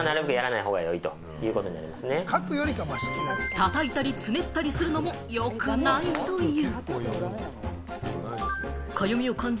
叩いたりつねったりするのも、よくないという。